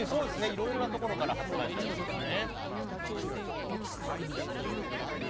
いろいろなところから発売されていますね。